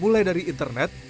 mulai dari internet